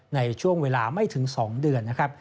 ในช่วงเวลาไม่ถึง๒เดือนนะครับ